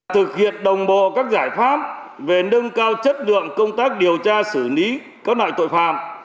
thực hiện đồng bộ các giải pháp về nâng cao chất lượng công tác điều tra xử lý các loại tội phạm